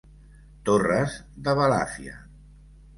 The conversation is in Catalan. Torres de Balàfia.